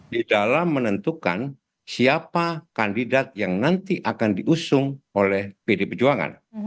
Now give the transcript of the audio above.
di dalam menentukan siapa kandidat yang nanti akan diusung oleh pd perjuangan